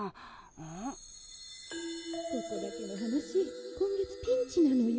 ここだけの話今月ピンチなのよ。